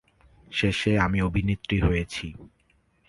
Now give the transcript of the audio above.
শেষে আমি অভিনেত্রী হয়েছি।